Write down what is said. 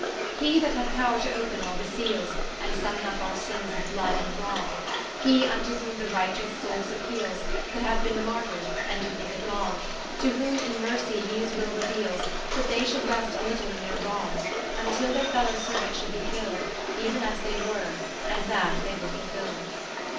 He that had powre to open all the Seales, And summon vp our sinnes of blood and wrong, He vnto whom the righteous soules appeales, That haue bin martyrd, and doe thinke it long, To whom in mercie he his will reueales, That they should rest a little in their wrong, Vntill their fellow seruants should be killed, Euen as they were, and that they were fulfilled. To the Lady dowager of Cumber land.